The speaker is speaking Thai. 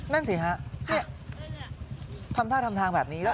นั่นสิครับทำท่าทำทางแบบนี้